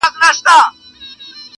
فرشتې زرغونوي سوځلي کلي-